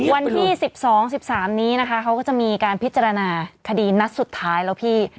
วันที่๑๒๑๓นี้นะคะเขาก็จะมีการพิจารณาคดีนัดสุดท้ายแล้วพี่